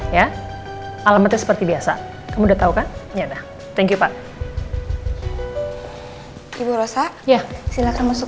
ya alamatnya seperti biasa kamu udah tahu kan ya dah thank you pak ibu rosa ya silakan masuk